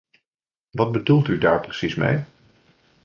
Wat bedoelt u daar precies mee?